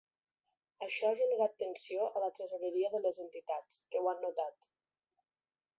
Això ha generat tensió a la tresoreria de les entitats, que ho han notat.